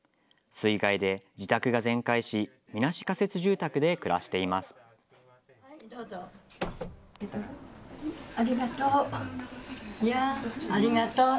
水害で自宅が全壊し、みなし仮設住宅で暮らしています。